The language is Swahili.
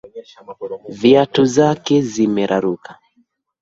Viatu zake zimeraruka.